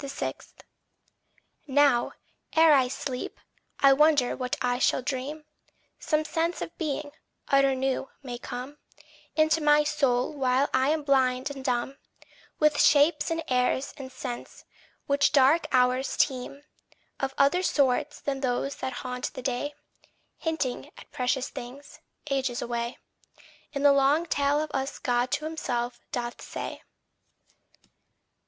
6. Now, ere I sleep, I wonder what I shall dream. Some sense of being, utter new, may come Into my soul while I am blind and dumb With shapes and airs and scents which dark hours teem, Of other sort than those that haunt the day, Hinting at precious things, ages away In the long tale of us God to himself doth say.